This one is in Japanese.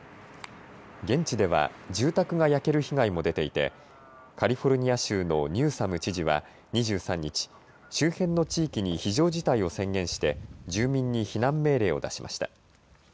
現地では住宅が焼ける被害も出ていてカリフォルニア州のニューサム知事は２３日、周辺の地域に非常事態を宣言して住民に避難命令を出しました。